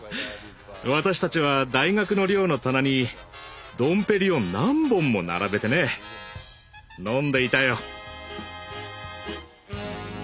私たちは大学の寮の棚にドンペリを何本も並べてね飲んでいたよ。